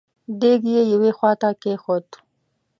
دېګ يې يوې خواته کېښود.